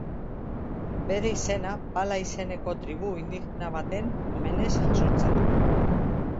Bere izena Pala izeneko tribu indigena baten omenez jasotzen du.